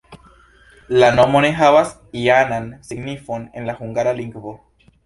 La nomo ne havas ajnan signifon en la hungara lingvo.